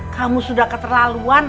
kamu sudah keterlaluan